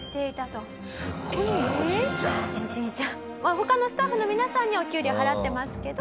他のスタッフの皆さんにはお給料払ってますけど。